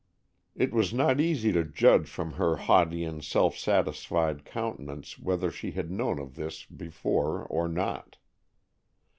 It was not easy to judge from her haughty and self satisfied countenance whether she had known of this before or not.